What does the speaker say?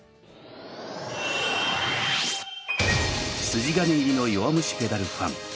筋金入りの「弱虫ペダル」ファン